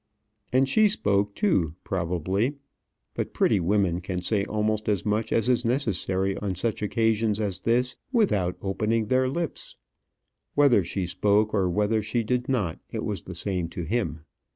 And she spoke too, probably. But pretty women can say almost as much as is necessary on such occasions as this without opening their lips. Whether she spoke, or whether she did not, it was the same to him.